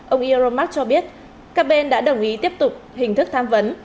ông iromac cho biết các bên đã đồng ý tiếp tục hình thức tham vấn